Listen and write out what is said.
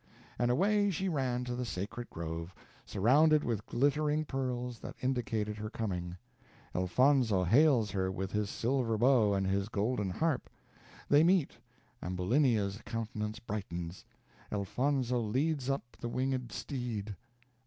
And away she ran to the sacred grove, surrounded with glittering pearls, that indicated her coming. Elfonzo hails her with his silver bow and his golden harp. They meet Ambulinia's countenance brightens Elfonzo leads up the winged steed.